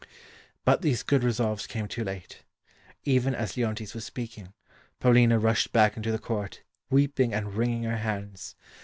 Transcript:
But these good resolves came too late. Even as Leontes was speaking, Paulina rushed back into the court, weeping and wringing her hands.